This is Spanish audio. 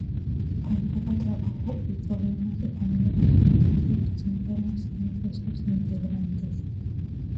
Con poco trabajo y problemas económicos, los conflictos internos entre sus integrantes.